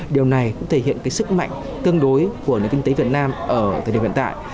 điều này cũng thể hiện sức mạnh tương đối của nền kinh tế việt nam ở thời điểm hiện tại